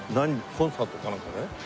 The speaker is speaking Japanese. コンサートかなんかで？